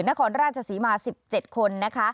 นครราชศรีมา๑๗คนนะคะ